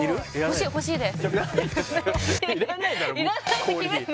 欲しい欲しいです